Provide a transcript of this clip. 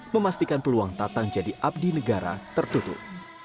memastikan peluang tatang jadi abdi negara tertutup